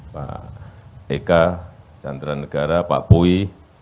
pak eka cantranegara pak pui